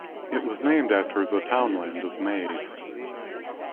It was named after the townland of Maze.